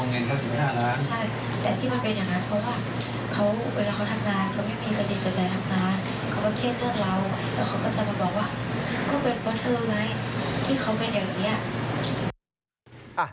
แล้วเขาก็จะมาบอกว่าก็เป็นเพราะเธอไงที่เขาก็เป็นอย่างนี้